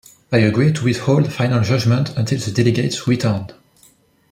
I agreed to withhold final judgment until the delegates returned.